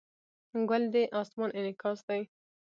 ګل د اسمان انعکاس دی.